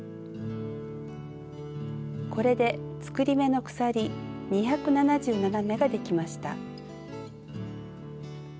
これで作り目の鎖２７７目ができました。